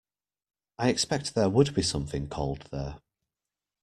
I expect there would be something cold there.